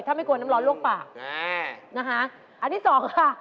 ถ้าไม่กลัวน้ำร้อนลวกปากอ่านะคะอันที่สองค่ะ